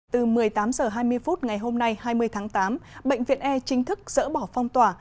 từ một mươi tám h hai mươi phút ngày hôm nay hai mươi tháng tám bệnh viện e chính thức dỡ bỏ phong tỏa